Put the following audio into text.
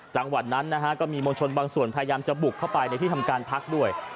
จังหวัดนั้นนะฮะก็มีมวลชนบางส่วนพยายามจะบุกเข้าไปในที่ทำการพักด้วย